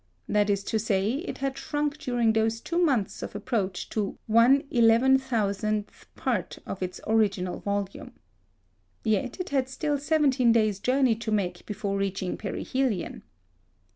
That is to say, it had shrunk during those two months of approach to 1/11000th part of its original volume! Yet it had still seventeen days' journey to make before reaching perihelion.